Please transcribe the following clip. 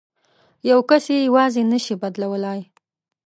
یو کس یې یوازې نه شي بدلولای.